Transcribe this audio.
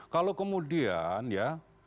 kalau kemudian ya